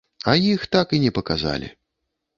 А іх так і не паказалі.